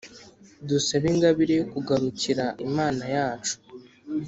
dusabe ingabire yo kugarukira imana yacu